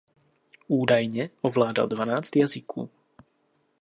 Údajně ovládal dvanáct jazyků.